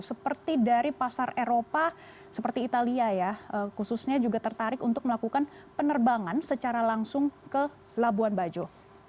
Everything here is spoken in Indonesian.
seperti dari pasar eropa seperti italia ya khususnya juga tertarik untuk melakukan penerbangan secara langsung ke labuan bajo